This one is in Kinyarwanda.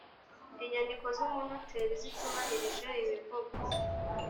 inyandiko z’ umunoteri zitubahirije ibivugwa